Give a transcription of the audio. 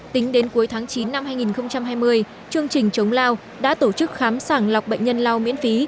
tính đến cuối tháng chín năm hai nghìn hai mươi chương trình chống lao đã tổ chức khám sàng lọc bệnh nhân lao miễn phí